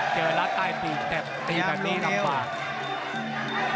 รัดใต้ปีกแต่ตีแบบนี้ลำบาก